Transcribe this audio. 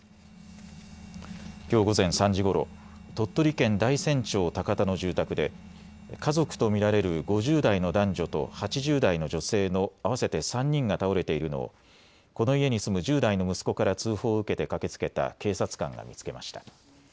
きょう午前３時ごろ、鳥取県大山町高田の住宅で家族と見られる５０代の男女と８０代の女性の合わせて３人が倒れているのをこの家に住む１０代の息子から通報を受けて駆けつけた警察官が見つけました。